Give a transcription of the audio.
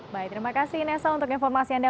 baik terima kasih nesa untuk informasi anda